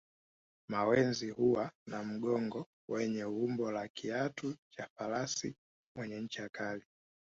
Mawenzi huwa na mgongo wenye umbo la kiatu cha farasi mwenye ncha kali